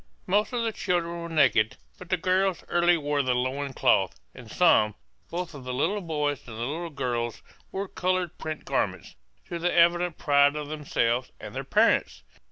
Most of the children were naked, but the girls early wore the loin cloth; and some, both of the little boys and the little girls, wore colored print garments, to the evident pride of themselves and their parents.